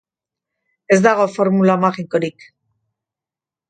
Ez dago formula magikorik.